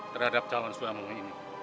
terhadap calon suami ini